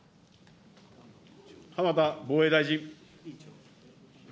浜田防衛大臣。